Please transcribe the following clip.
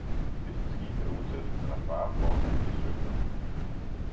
Hvis et skib er utæt, er der fare for, at det synker.